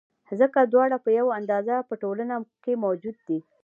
ځکه دواړه په یوه اندازه په ټولنه کې موجود دي.